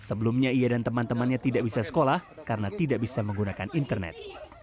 sebelumnya ia dan teman temannya tidak bisa sekolah karena tidak bisa menggunakan internet